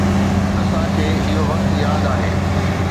اسان کي اهو وقت ياد آهي.